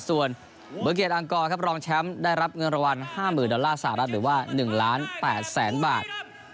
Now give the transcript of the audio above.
ส่วนเบอร์เกรอังกอร์ครับรองแชมป์ได้รับเงินรางวัล๕๐๐๐ดอลลาร์สหรัฐหรือว่า๑ล้าน๘แสนบาท